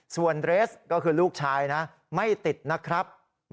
ส่วนเรสก็คือลูกชายนะไม่ติดนะครับ